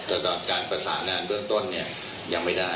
แต่ตอนการประสานด้านเรื่องต้นเนี่ยยังไม่ได้